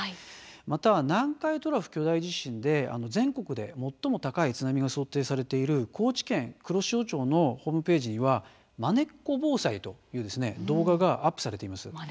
また南海トラフ巨大地震で全国で最も高い津波が想定されている高知県黒潮町のホームページには「まねっこ防災」という動画がアップされています。